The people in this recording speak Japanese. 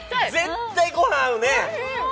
絶対ご飯合うね！